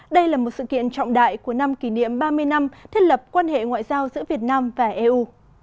đây là một sự kiện trọng đại của năm kỷ niệm ba mươi năm thiết lập quan hệ ngoại giao giữa việt nam và eu